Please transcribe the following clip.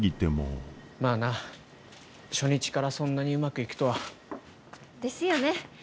まあな初日からそんなにうまくいくとは。ですよね。